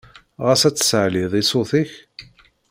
Ɣas ad tsaɛliḍ i ṣṣut-ik?